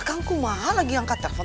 kang aku maaf lagi angkat telepon